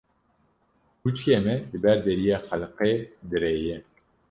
Kuçikê me li ber deriyê xelkê direye.